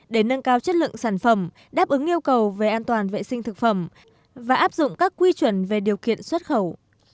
để nâng cao chất lượng sản phẩm đáp ứng yêu cầu về an toàn vệ sinh thực phẩm và áp dụng các quy chuẩn về điều kiện xuất khẩu